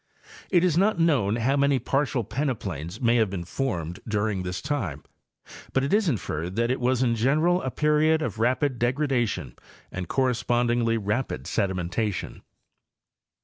It is not known how many partial peneplains may have been formed during this time, but it is in ferred that it was in general a period of rapid degradation and correspondingly rapid sedimentation.